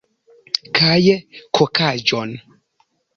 Kaj kokaĵon.